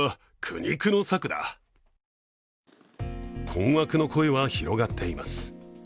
困惑の声は広がっています。